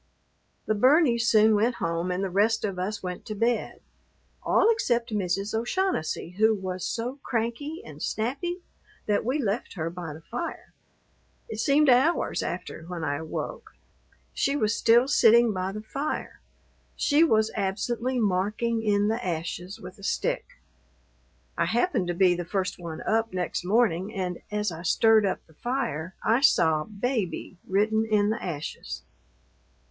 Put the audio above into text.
The Burneys soon went home and the rest of us went to bed, all except Mrs. O'Shaughnessy, who was so cranky and snappy that we left her by the fire. It seemed hours after when I awoke. She was still sitting by the fire; she was absently marking in the ashes with a stick. I happened to be the first one up next morning and as I stirred up the fire I saw "Baby" written in the ashes.